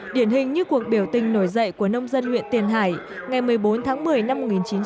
điển hình như cuộc biểu tình nổi dậy của nông dân huyện tiền hải ngày một mươi bốn tháng một mươi năm một nghìn chín trăm bảy mươi